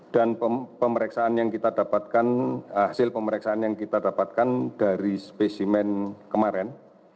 dan hasil pemeriksaan yang kita dapatkan dari spesimen kemarin